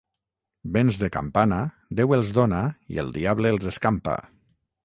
Béns de campana, Déu els dóna i el diable els escampa.